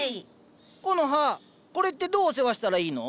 コノハこれってどうお世話したらいいの？